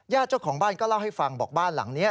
เจ้าของบ้านก็เล่าให้ฟังบอกบ้านหลังนี้